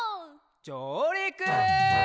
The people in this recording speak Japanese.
じょうりく！